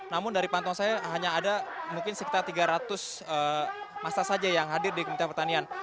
namun dari pantauan saya hanya ada mungkin sekitar tiga ratus masa saja yang hadir di kementerian pertanian